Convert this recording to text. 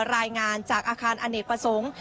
รายงานจากอาคารอเนกประสงค์